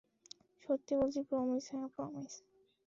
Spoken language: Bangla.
সত্যি বলছি, প্রমিস, হ্যাঁ প্রমিস!